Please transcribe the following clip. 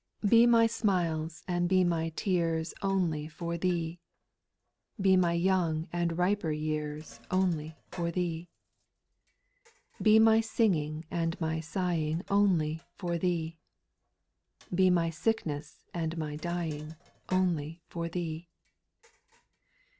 5. ' Be my smiles and be my tears Only for Thee. Be my young and riper years Only for Thee. ) 6. Be my singing and my sighing Only for Thee. Be my sickness and my dying Only for Thee.